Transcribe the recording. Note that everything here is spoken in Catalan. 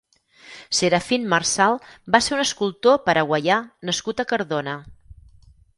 Serafín Marsal va ser un escultor paraguaià nascut a Cardona.